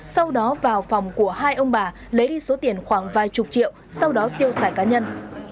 sau đó vào phòng của hai ông bà lấy đi số tiền khoảng vài chục triệu sau đó tiêu xài cá nhân